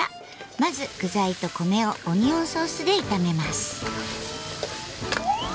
まず具材とコメをオニオンソースで炒めます。